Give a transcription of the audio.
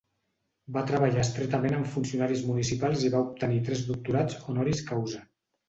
Va treballar estretament amb funcionaris municipals i va obtenir tres doctorats honoris causa.